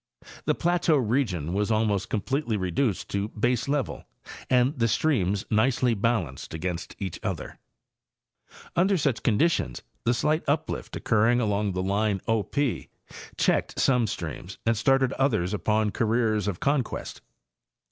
The plateau region was almost completely reduced to baselevel and the streams nicely balanced against each other. Under such conditions the slight uplift occurring along the line O P checked 105 Hayes and Campbell—Appalachian Geomorphology. some streams and started others upon careers of conquest.